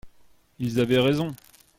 Ils avaient raison.